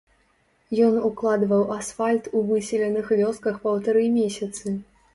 Ён укладваў асфальт у выселеных вёсках паўтары месяцы.